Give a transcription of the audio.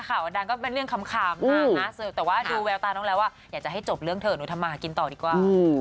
ข่าวดังก็เป็นเรื่องขำแต่ว่าดูแววตาน้องแล้วว่าอยากจะให้จบเรื่องเถอะหนูทำมาหากินต่อดีกว่า